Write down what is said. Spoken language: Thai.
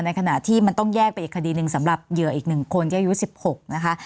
ขณะที่มันต้องแยกไปอีกคดีหนึ่งสำหรับเหยื่ออีก๑คนที่อายุ๑๖นะคะ